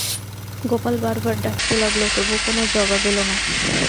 গোপাল বার বার ডাকতে লাগল, তবু কোন জবাব এল না।